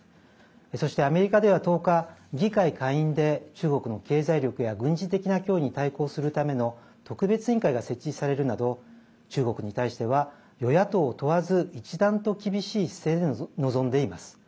そしてアメリカでは１０日議会下院で中国の経済力や軍事的な脅威に対抗するための特別委員会が設置されるなど中国に対しては、与野党を問わず一段と厳しい姿勢で臨んでいます。